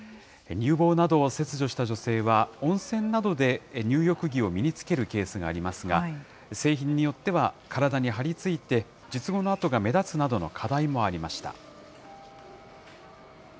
乳房などを切除した女性は、温泉などで入浴着を身に着けるケースがありますが、製品によっては体に張り付いて、術後の痕が目立つなどの課題もありました。